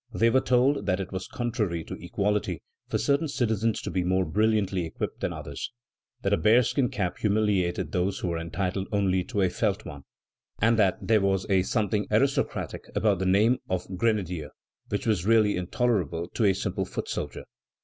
They were told that it was contrary to equality for certain citizens to be more brilliantly equipped than others; that a bearskin cap humiliated those who were entitled only to a felt one; and that there was a something aristocratic about the name of grenadier which was really intolerable to a simple foot soldier.